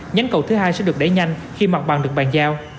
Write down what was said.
nhánh cầu thứ hai sẽ được đẩy nhanh khi mặt bằng được bàn giao